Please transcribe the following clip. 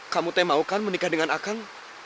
kamu tak mau kan menikah dengan aku